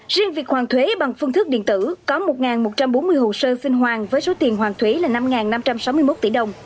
riêng việc hoàn thuế bằng phương thức điện tử có một một trăm bốn mươi hồ sơ sinh hoàn với số tiền hoàn thuế là năm năm trăm sáu mươi một tỷ đồng